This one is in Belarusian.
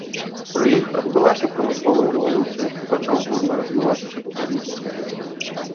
Пры іх адбылася прамысловая рэвалюцыя і пачаў бурна развівацца капіталізм.